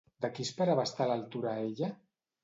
De qui esperava estar a l'altura ella?